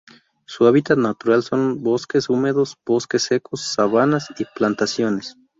Su hábitat natural son bosques húmedos, bosques secos, sabanas y plantaciones.